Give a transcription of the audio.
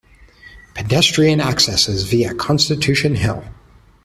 Pedestrian access is via Constitution Hill.